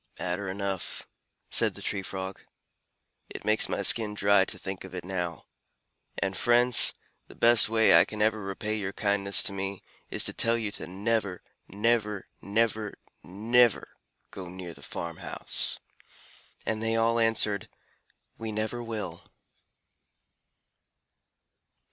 "Matter enough," said the Tree Frog. "It makes my skin dry to think of it now. And, friends, the best way I can ever repay your kindness to me, is to tell you to never, never, never, never go near the farm house." And they all answered, "We never will."